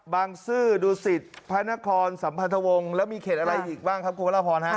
ซื่อดูสิตพระนครสัมพันธวงศ์แล้วมีเขตอะไรอีกบ้างครับคุณพระราพรฮะ